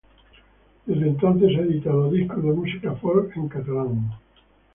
Desde entonces ha editado discos de música folk en catalán.